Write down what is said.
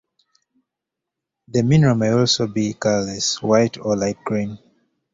The mineral may also be colorless, white, or light green.